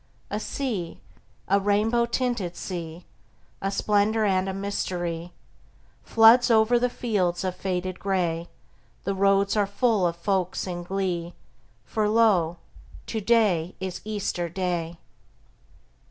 A sea, a rainbow tinted sea, A splendor and a mystery, Floods o'er the fields of faded gray: The roads are full of folks in glee, For lo, to day is Easter Day!